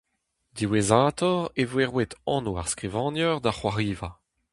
Diwezhatoc'h e voe roet anv ar skrivagner d'ar c'hoariva.